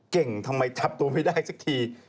เก่งทำไมจับตัวไม่ได้สักที